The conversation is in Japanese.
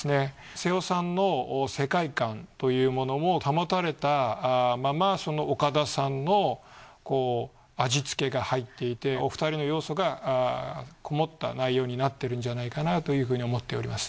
瀬尾さんの世界観というものも保たれたままその岡田さんの味付けが入っていてお二人の要素がこもった内容になってるんじゃないかなというふうに思っております。